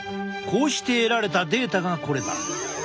こうして得られたデータがこれだ。